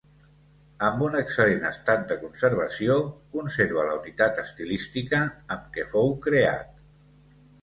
Amb un excel·lent estat de conservació, conserva la unitat estilística amb què fou creat.